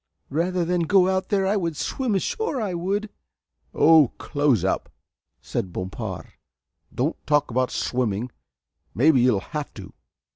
Rather than go out there I would swim ashore I would " "Oh, close up," said Bompard, "don't talk about swimming maybe you'll have to."